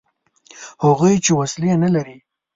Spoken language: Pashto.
هغوی چې وسلې نه لري.